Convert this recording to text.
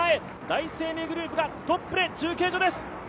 第一生命グループがトップで中継所です。